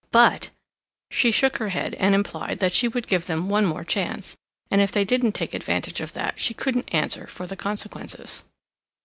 But—" She shook her head and implied that she would give them one more chance, and if they didn't take advantage of that she couldn't answer for the consequences.